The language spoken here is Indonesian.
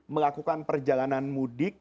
melakukan perjalanan mudik